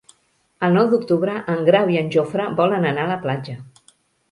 El nou d'octubre en Grau i en Jofre volen anar a la platja.